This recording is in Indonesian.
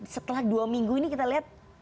setelah dua minggu ini kita lihat